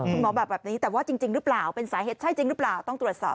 บอกแบบนี้แต่ว่าจริงหรือเปล่าเป็นสาเหตุใช่จริงหรือเปล่าต้องตรวจสอบ